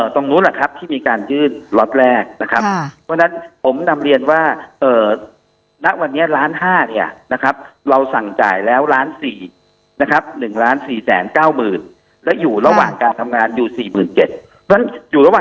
ตรงนู้นแหละครับที่มีการยื่นล็อตแรกนะครับเพราะฉะนั้นผมนำเรียนว่านักวันนี้ล้านห้าเนี่ยนะครับเราสั่งจ่ายแล้วล้านสี่นะครับ๑ล้าน๔๙๐๐๐๐แล้วอยู่ระหว่างการทำงานอยู่๔๗๐๐๐